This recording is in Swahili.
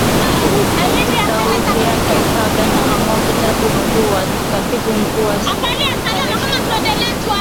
ni sauti yake pargan amoon katibu mkuu wa sudan peoples liberation movement